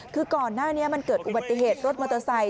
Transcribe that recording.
คือก่อนหน้านี้มันเกิดอุบัติเหตุรถมอเตอร์ไซค